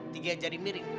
tiga jari miring